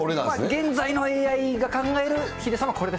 現在のＡＩが考えるヒデさん